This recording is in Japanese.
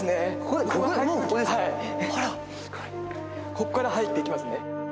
ここから入っていきますね。